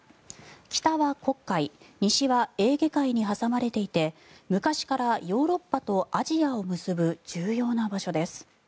北は黒海西はエーゲ海に挟まれていて昔からヨーロッパとアジアを結ぶ重要な場所です。